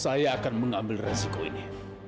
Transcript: saya akan mengambil resiko ini